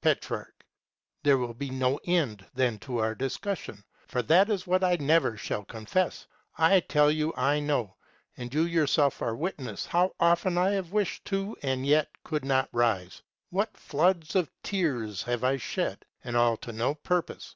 Petrarch. There will be no end then to our discussion, for that is what I never shall confess. I tell you I know, and you yourself are witness, how often I have wished to and yet could not rise. What floods of tears have I shed, and all to no purpose?